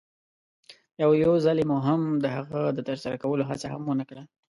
او یوځلې مو هم د هغه د ترسره کولو هڅه هم ونه کړه.